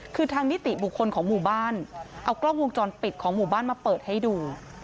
คือทางนิติบุคคลของหมู่บ้านเอากล้องวงจรปิดของหมู่บ้านมาเปิดให้ดู